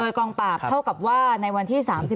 กองปราบเท่ากับว่าในวันที่๓๔